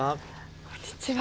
こんにちは。